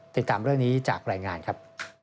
ติดตามเรื่องนี้จากรายงานครับ